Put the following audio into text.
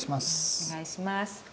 お願いします。